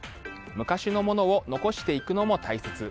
昔のものを残していくのも大切。